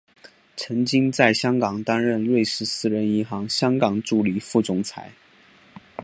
曾经在香港担任瑞士私人银行香港助理副总裁。